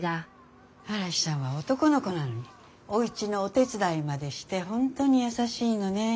嵐ちゃんは男の子なのにおうちのお手伝いまでして本当に優しいのね。